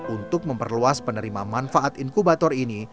untuk memperluas penerima manfaat inkubator ini